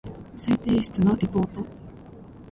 再提出のリポート